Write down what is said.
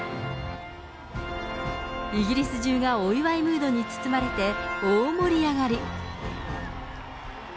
イギリス中がお祝いムードに包まれて大盛り上がり。